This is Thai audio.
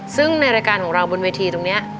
ซึ่งในรายการของเราบนเวทีตรงนี้